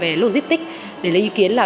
về logistic để lấy ý kiến là